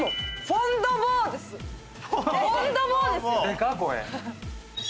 フォンドボーですよ！